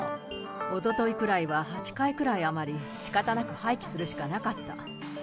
おとといくらいは８回ぐらい余り、しかたなく廃棄するしかなかった。